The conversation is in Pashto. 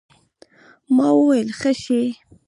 ما وويل ښه شى.